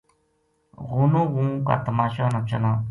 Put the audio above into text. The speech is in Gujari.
غونو غون کا تماشا نا چلاں ‘‘